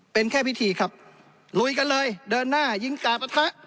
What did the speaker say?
เป็นแค่พิธีครับลุยกันเลยเดินหน้ายิงกาปะทะ